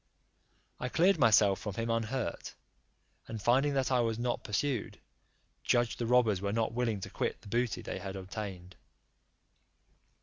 I cleared myself from him unhurt, and finding that I was not pursued, judged the robbers were not willing to quit the booty they had obtained.